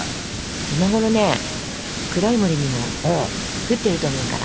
今頃ね黒い森にも降ってると思うから。